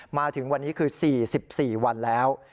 มาถึงวันนี้คือ๔๔วันแล้ว